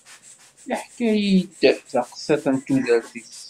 Yeḥka-yi-d taqsiṭ n tudert-is.